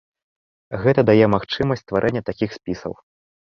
Гэта дае магчымасць стварэння такіх спісаў.